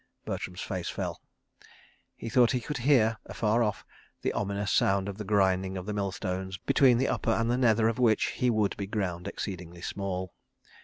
Bertram's face fell. He thought he could hear, afar off, the ominous sound of the grinding of the mill stones, between the upper and the nether of which he would be ground exceeding small.